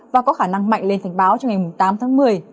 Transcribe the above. và có khả năng mạnh lên thành báo cho ngày tám tháng một mươi